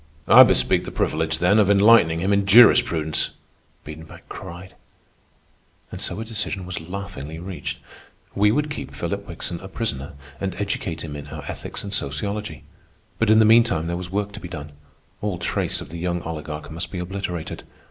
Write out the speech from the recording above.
"I bespeak the privilege, then, of enlightening him in jurisprudence," Biedenbach cried. And so a decision was laughingly reached. We would keep Philip Wickson a prisoner and educate him in our ethics and sociology. But in the meantime there was work to be done. All trace of the young oligarch must be obliterated.